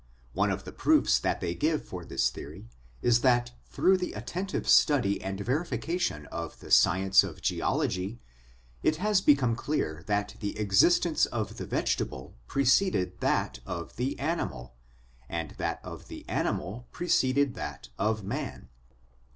One of the proofs that they give for this theory is that through the attentive study and verification of the science of geology it has become clear that the existence of the vegetable preceded that of the animal, and that of the animal preceded that of man.